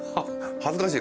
恥ずかしい。